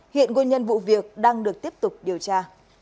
hiện nguyên nhân vụ việc đang được tiếp tục điều tra